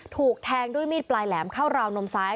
ถูกแทงด้วยมีดปลายแหลมเข้าราวนมซ้าย